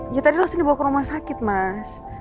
ya tadi lo sini bawa ke rumah sakit mas